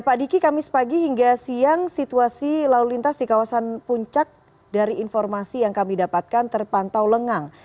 pak diki kamis pagi hingga siang situasi lalu lintas di kawasan puncak dari informasi yang kami dapatkan terpantau lengang